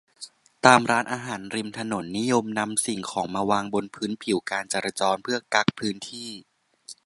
ตามร้านอาหารริมถนน นิยมนำสิ่งของมาวางบนพื้นผิวการจราจร เพื่อกั๊กพื้นที่